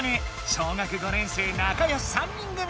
小学５年生なかよし３人組！